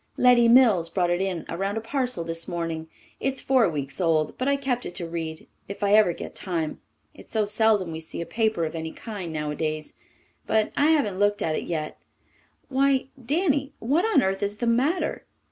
"Letty Mills brought it in around a parcel this morning. It's four weeks old, but I kept it to read if I ever get time. It's so seldom we see a paper of any kind nowadays. But I haven't looked at it yet. Why, Danny, what on earth is the matter?"